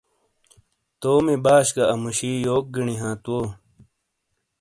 تومی باش گہ امُوشی یوک گِینی ہانت وو؟